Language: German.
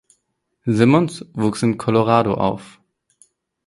Simmons wuchs in Colorado auf.